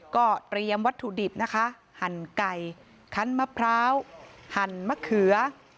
ก็เตรียมวัตถุดิบนะคะหั่นไก่คันมะพร้าวหั่นมะเขือ